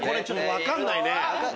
分かんない！